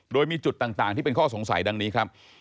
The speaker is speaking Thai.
โดยมีจุดต่างที่เป็นข้อสงสัยดังนี้ครับ